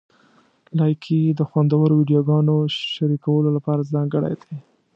لایکي د خوندورو ویډیوګانو شریکولو لپاره ځانګړی دی.